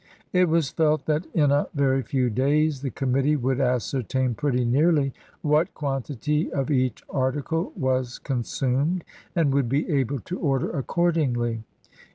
It was felt that in a very few days the committee would ascertain pretty nearly what quantity of each article was consumed, and would be able to order accordingly.